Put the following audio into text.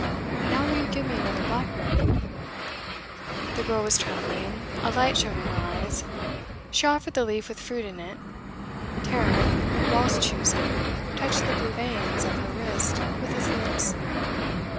'Now will you give me another blackberry?' The girl was trembling; a light shone in her eyes. She offered the leaf with fruit in it; Tarrant, whilst choosing, touched the blue veins of her wrist with his lips.